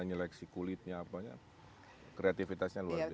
nyeleksi kulitnya apanya kreativitasnya luar biasa